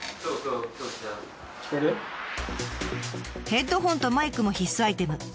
ヘッドホンとマイクも必須アイテム。